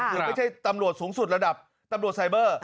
คือไม่ใช่ตำรวจสูงสุดระดับตำรวจไซเบอร์